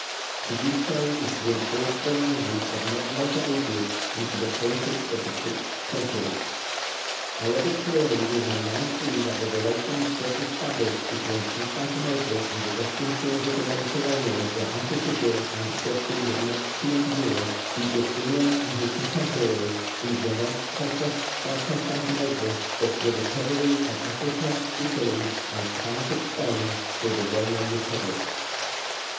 To do so is to import the language of much later ages into the politics of the sixth century. However clearly we may now see that the relations thus established between Constantinople and the western shores of the Mediterranean were artificial, and destined not to endure, to Justinian and his contemporaries these were not "conquests by Constantinople", but "the recovery of Africa, Italy, and part of Spain for the Roman Republic".